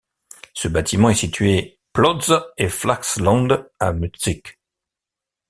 Ce bâtiment est situé Plotze-et-Flachsland à Mussig.